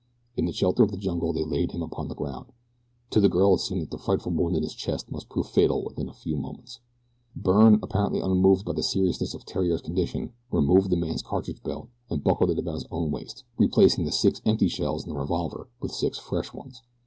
In the shelter of the jungle they laid him upon the ground. To the girl it seemed that the frightful wound in his chest must prove fatal within a few moments. Byrne, apparently unmoved by the seriousness of Theriere's condition, removed the man's cartridge belt and buckled it about his own waist, replacing the six empty shells in the revolver with six fresh ones.